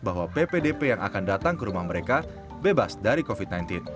bahwa ppdp yang akan datang ke rumah mereka bebas dari covid sembilan belas